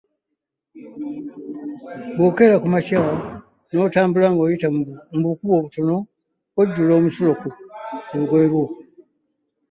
Bwokeera ku makya n'otambula ng'oyita mu bukubo obutono ojjula omusulo ku lugoye.